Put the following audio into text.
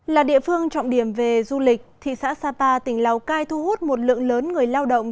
là địa phương trọng điểm về du lịch thị xã sapa tỉnh lào cai thu hút một lượng lớn người lao động